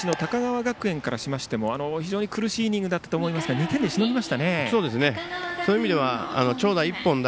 ただ山口の高川学園からしても非常に苦しいイニングになったと思いますが２点でしのぎましたね。